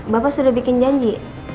bapak sudah bikin janji